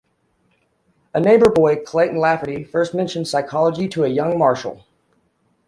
A neighbor boy Clayton Lafferty first mentioned psychology to a young Marshall.